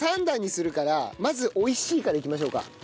３段にするからまずおいＣからいきましょうか。